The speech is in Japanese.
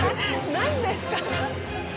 何ですか？